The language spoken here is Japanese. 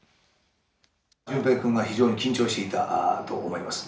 淳平君が非常に緊張していたと思います。